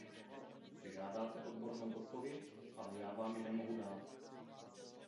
Žádáte odbornou odpověď, ale já vám ji nemohu dát.